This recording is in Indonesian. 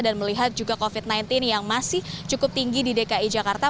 dan melihat juga covid sembilan belas yang masih cukup tinggi di dki jakarta